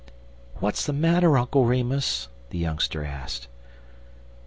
"What's the matter, Uncle Remus?" the youngster asked.